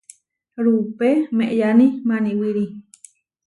Rupe meʼyáni Maniwíri.